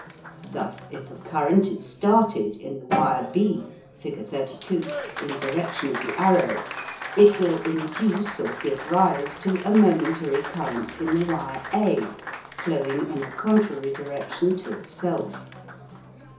Thus, if a current is STARTED in the wire B (fig. 32) in direction of the arrow, it will induce or give rise to a momentary current in the wire A, flowing in a contrary direction to itself.